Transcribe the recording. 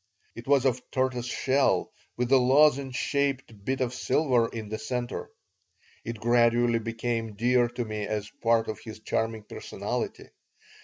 It was of tortoise shell, with a lozenge shaped bit of silver in the center. It gradually became dear to me as part of his charming personality.